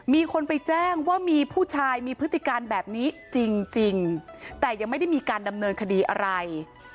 มีคนไปแจ้งว่ามีผู้ชายมีพฤติการแบบนี้จริงแต่ยังไม่ได้มีการดำเนินคดีอะไร